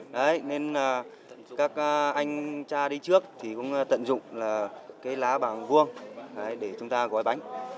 đấy nên các anh cha đi trước thì cũng tận dụng là cái lá bảng vuông để chúng ta gói bánh